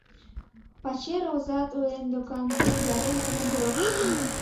— Пачер озат ойлен докан, шӱжарем командировкышто.